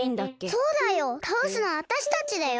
そうだよたおすのはわたしたちだよ。